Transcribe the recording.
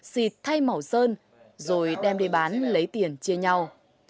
xịt thay màu sơn rồi đem đi bán lấy tiền chia nhau